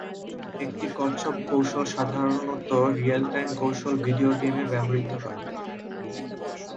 একটি কচ্ছপ কৌশল সাধারণত রিয়েল-টাইম কৌশল ভিডিও গেমে ব্যবহৃত হয়।